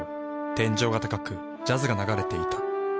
天井が高くジャズが流れていた。